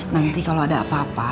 nanti kalau ada apa apa